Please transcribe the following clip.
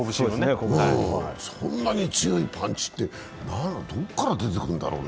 そんなに強いパンチってどこから出てくるんだろうね。